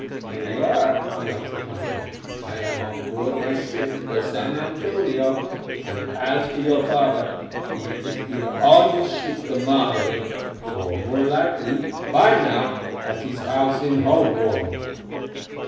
"Señora," he answered humbly, "I am on board my ship, the San Antonio, and as for your father, he is either on his ship, the Margaret, or more likely, by now, at his house in Holborn."